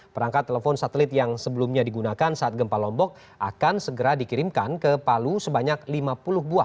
perangkat telepon satelit yang sebelumnya digunakan saat gempa lombok akan segera dikirimkan ke palu sebanyak lima puluh buah